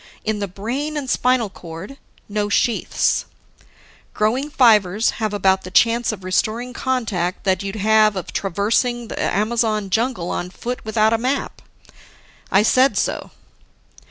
In the brain and spinal cord, no sheaths; growing fibers have about the chance of restoring contact that you'd have of traversing the Amazon jungle on foot without a map. I said so.